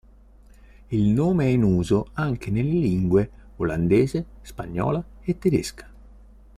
Il nome è in uso anche nelle lingue olandese, spagnola e tedesca.